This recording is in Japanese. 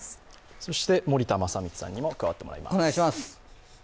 そして森田正光さんにも加わってもらいます。